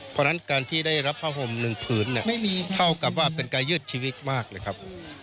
เพราะฉะนั้นการที่ได้รับผ้าห่มหนึ่งผืนเนี่ยไม่มีเท่ากับว่าเป็นการยืดชีวิตมากเลยครับ